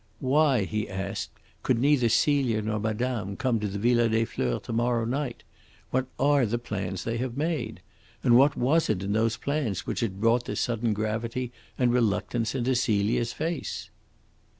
"Why," he asked, "could neither Celia nor madame come to the Villa des Fleurs to morrow night? What are the plans they have made? And what was it in those plans which had brought the sudden gravity and reluctance into Celia's face?"